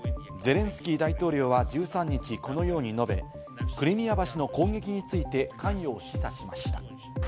ゼレンスキー大統領は１３日、このように述べ、クリミア橋の攻撃について関与を示唆しました。